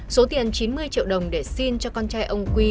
số tiền chín mươi triệu đồng để xin cho con trai ông quy